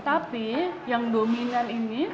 tapi yang dominan ini